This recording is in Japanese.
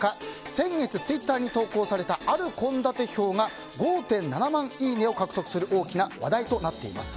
先月、ツイッターに投稿されたある献立表が５．７万いいねを獲得する大きな話題となっています。